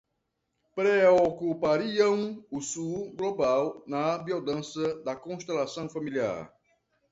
Preocupariam o Sul Global na biodança da constelação familiar